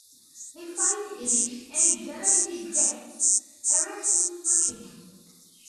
They find him and Genovese gets arrested for kidnapping.